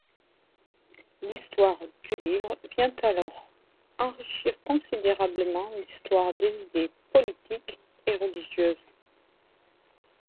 L'histoire du livre vient alors enrichir considérablement l'histoire des idées politiques et religieuses.